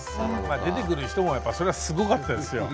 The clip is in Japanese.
出てくる人もやっぱそりゃすごかったですよ。